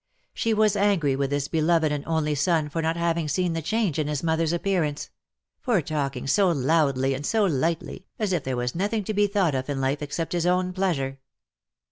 She was angry with this beloved and only son for not having seen the change in his mother^s appearance — for talking so loudly and so lightly, as if there were nothing to be thought of in life except his own pleasure.